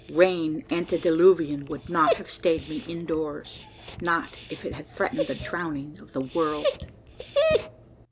Rain antediluvian would not have stayed me in doors not if it had threatened the drowning of the world!